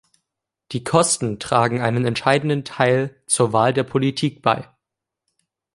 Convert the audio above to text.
Die Kosten tragen einen entscheidenden Teil zur Wahl der Politik bei.